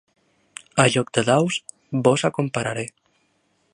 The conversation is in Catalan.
A joc de daus vos acompararé.